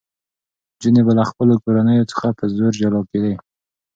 نجونې به له خپلو کورنیو څخه په زور جلا کېدې.